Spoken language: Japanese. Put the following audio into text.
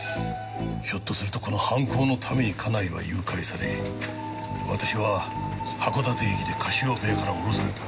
ひょっとするとこの犯行のために家内は誘拐され私は函館駅でカシオペアから降ろされた。